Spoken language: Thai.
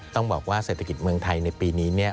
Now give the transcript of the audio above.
ต้องบอกว่าเศรษฐกิจเมืองไทยในปีนี้